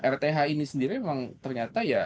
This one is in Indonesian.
rth ini sendiri memang ternyata ya